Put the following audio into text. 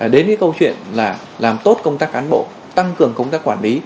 đến câu chuyện làm tốt công tác án bộ tăng cường công tác quản lý